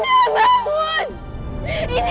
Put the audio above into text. dinda maafkan kandah dinda